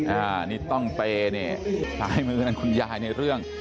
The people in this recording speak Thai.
อันนี้ต้องเปย์เนี่ยซ้ายมือนั่นคุณยายในเรื่อง